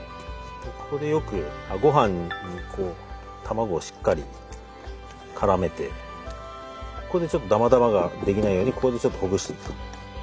ここでよくごはんに卵をしっかり絡めてちょっとだまだまが出来ないようにここでちょっとほぐしていくと。